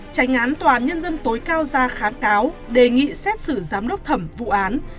tránh án tòa án nhân dân tối cao ra kháng cáo đề nghị xét xử giám đốc thẩm vụ án